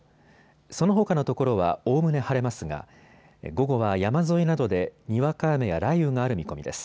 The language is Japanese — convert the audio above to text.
そのほかの所はおおむね晴れますが午後は山沿いなどでにわか雨や雷雨がある見込みです。